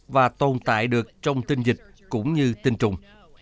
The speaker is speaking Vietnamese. và tồn tại được trong tinh dịch cũng như tinh trùng